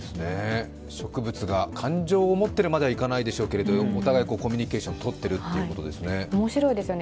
植物が感情を持っているまではいかないでしょうけれども、お互いコミュニケーションをとっているということですね。